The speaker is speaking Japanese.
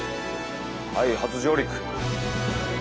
はい初上陸。